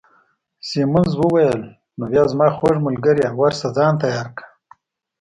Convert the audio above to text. سیمونز وویل: نو بیا زما خوږ ملګرې، ورشه ځان تیار کړه.